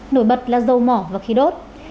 nổi bật là dầu mỏ và khí đốt